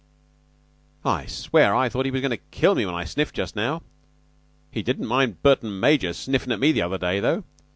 "I swear I thought he was goin' to kill me when I sniffed just now. He didn't mind Burton major sniffin' at me the other day, though.